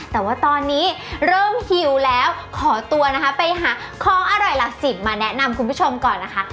แต่ว่าตอนนี้เริ่มหิวแล้วขอตัวนะคะไปหาของอร่อยหลักสิบมาแนะนำคุณผู้ชมก่อนนะคะ